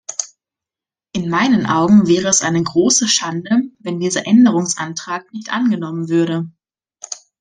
In meinen Augen wäre es eine große Schande, wenn dieser Änderungsantrag nicht angenommen würde.